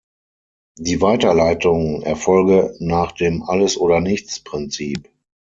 Die Weiterleitung erfolge nach dem Alles-oder-nichts-Prinzip.